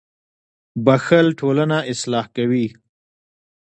• بښل ټولنه اصلاح کوي.